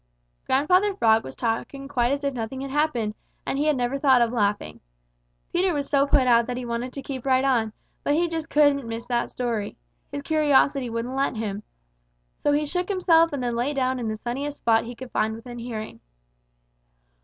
Grandfather Frog was talking quite as if nothing had happened, and he had never thought of laughing. Peter was so put out that he wanted to keep right on, but he just couldn't miss that story. His curiosity wouldn't let him. So he shook himself and then lay down in the sunniest spot he could find within hearing.